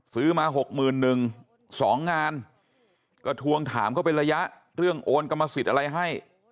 ซื้อมาหกหมื่นหนึ่งสองงานก็ทวงถามเข้าไประยะเรื่องโอนกรรมสิทธิ์อะไรให้